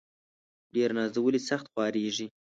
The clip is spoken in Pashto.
ډير نازولي ، سخت خوارېږي.